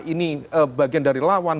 ini bagian dari lawan